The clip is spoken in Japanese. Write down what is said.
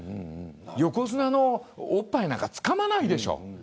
横綱のおっぱいなんかつかまないでしょ。